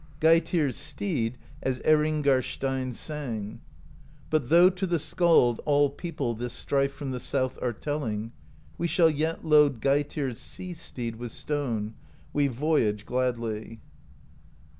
Geitir's Steed, as Erringar Steinn sang: But though to the skald all people This strife from the south are telling, We shall yet load Geitir's Sea Steed With stone; we voyage gladly.